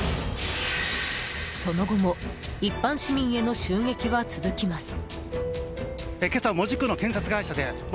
その後も一般市民への襲撃は続きます。